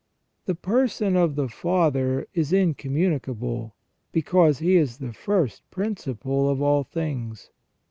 The person of the Father is incommunicable, because He is the first principle of all things.